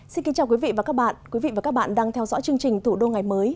xin kính chào quý vị và các bạn quý vị và các bạn đang theo dõi chương trình thủ đô ngày mới